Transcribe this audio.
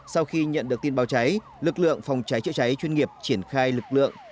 sau khi nhận được tin báo cháy lực lượng phòng cháy chữa cháy chuyên nghiệp triển khai lực lượng